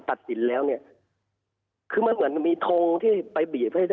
ตัดสินแล้วคือมันเหมือนมีทงที่ไปบีบ